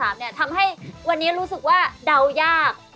ทำให้วันนี้รู้สึกว่าเดายาก